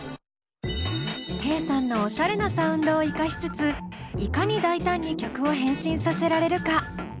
テイさんのおしゃれなサウンドを生かしつついかに大胆に曲を変身させられるか？